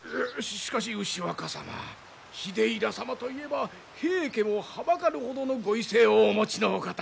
しかし牛若様秀衡様といえば平家もはばかるほどのご威勢をお持ちのお方。